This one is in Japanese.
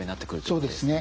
そうですね。